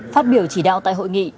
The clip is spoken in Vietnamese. phát biểu chỉ đạo tại hội nghị